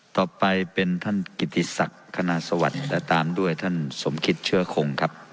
ต่อไปเป็นท่านกิติศักดิ์คณาสวัสดิ์และตามด้วยท่านสมคิตเชื้อคงครับ